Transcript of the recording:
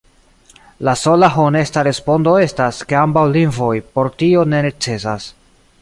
La sola honesta respondo estas, ke ambaŭ lingvoj por tio ne necesas.